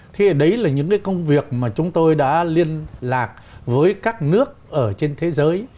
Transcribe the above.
thế đấy là những cái công việc mà chúng tôi đã liên lạc với các nước ở trên thế giới